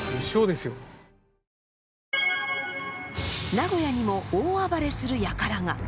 名古屋にも大暴れするやからが。